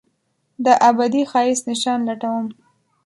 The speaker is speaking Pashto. دابدي ښایست نشان لټوم